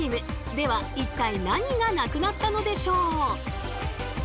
では一体何がなくなったのでしょう？